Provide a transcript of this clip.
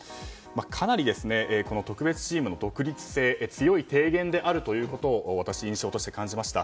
かなりこの特別チームの独立性強い提言であるということを私、印象として感じました。